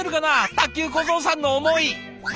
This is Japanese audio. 卓球小僧さんの思い！